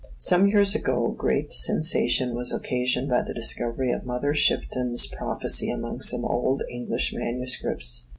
Some years ago great sensation was occasioned by the discovery of Mother Shipton's prophecy among some old English manuscripts.